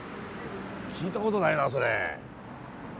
聞いたことないなそれ。